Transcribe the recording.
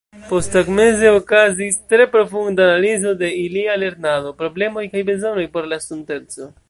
Posttagmeze okazis tre profunda analizo de ilia lernado, problemoj kaj bezonoj por la estonteco.